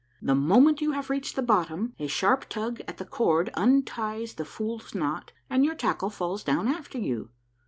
The moment you have reached the bottom, a sharp tug at the cord unties the fool's knot, and your tackle falls down after you.